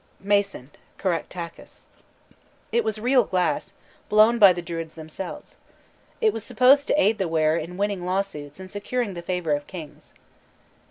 MASON: Caractacus. It was real glass, blown by the Druids themselves. It was supposed to aid the wearer in winning lawsuits and securing the favor of kings.